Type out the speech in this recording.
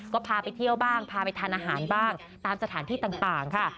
ก็พาไปเที่ยวบ้างพาไปทานอาหารบ้างตามสถานที่ต่างค่ะ